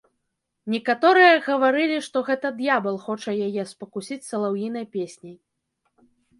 Некаторыя гаварылі, што гэта д'ябал хоча яе спакусіць салаўінай песняй.